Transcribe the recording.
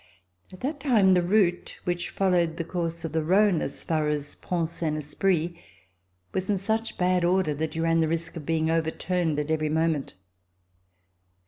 At that time the route, which followed the course of the Rhone as far as Pont Saint Esprit, was in such bad order that you ran the risk of being overturned at every moment.